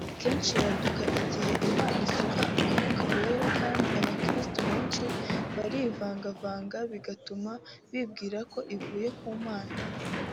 Kenshi yaduka igihe Imana isuka Umwuka Wera kandi abakiristu benshi barivangavanga bigatuma bibwira ko ivuye ku Mana